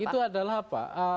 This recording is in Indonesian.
itu adalah apa